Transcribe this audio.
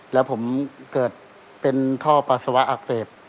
แล้วผมเกิดเป็นท่อปัสสาวะอักเสบ